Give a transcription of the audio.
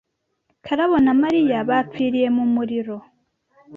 Karabo na Mariya bapfiriye mu muriro.